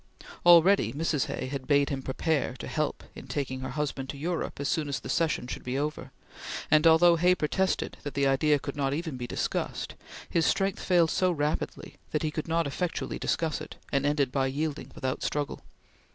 Already Mrs. Hay had bade him prepare to help in taking her husband to Europe as soon as the Session should be over, and although Hay protested that the idea could not even be discussed, his strength failed so rapidly that he could not effectually discuss it, and ended by yielding without struggle.